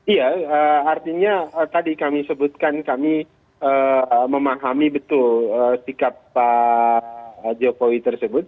iya artinya tadi kami sebutkan kami memahami betul sikap pak jokowi tersebut